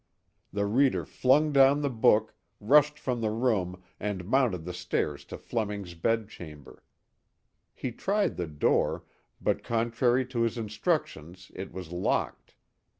The reader flung down the book, rushed from the room and mounted the stairs to Fleming's bed chamber. He tried the door, but contrary to his instructions it was locked.